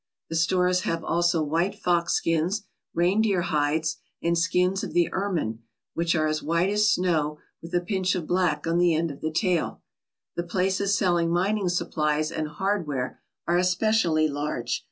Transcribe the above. The stores have also white fox skins, reindeer hides, and skins of the ermine, which are as white as snow with a pinch of black on the end of the tail. The places selling mining supplies and hardware are especially large.